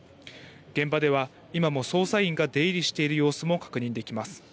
現場では今も捜査員が出入りしている様子も確認できます。